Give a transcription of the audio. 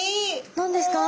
何ですか？